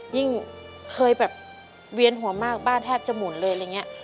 ยิ่งเคยแบบเวียนหัวมากบ้านแทบจะหมุนเลยอะไรอย่างนี้